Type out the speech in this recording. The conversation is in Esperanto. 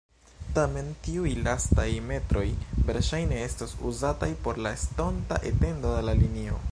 Tamen tiuj lastaj metroj verŝajne estos uzataj por la estonta etendo de la linio.